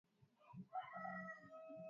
Mti wa mwembe.